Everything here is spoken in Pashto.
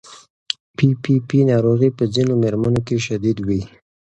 پي پي پي ناروغي په ځینو مېرمنو کې شدید وي.